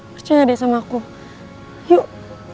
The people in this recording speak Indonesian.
percaya deh sama aku yuk